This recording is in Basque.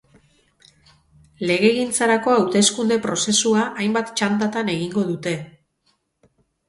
Legegintzarako hauteskunde prozesua hainbat txandatan egingo dute.